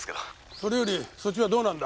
それよりそっちはどうなんだ？